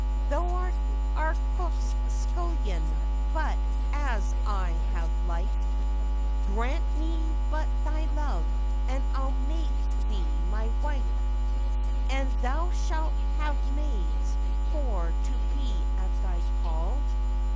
'Thou art our cook's scullion, but as I have life, Grant me but thy love, and I'll make thee my wife, And thou shalt have maids for to be at thy call.